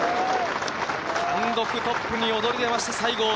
単独トップに躍り出ました、西郷。